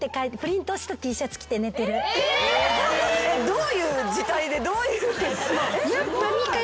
どういう字体でどういうえっ？